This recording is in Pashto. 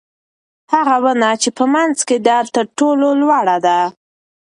هغه ونه چې په منځ کې ده تر ټولو لوړه ده.